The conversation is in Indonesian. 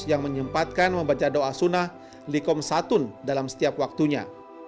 yang menyempatkan membaca doa sunnah lihumsatun dalam setiap waktunya